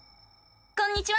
こんにちは！